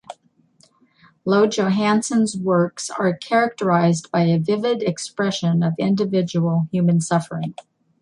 Lo-Johansson's works are characterized by a vivid expression of individual human suffering.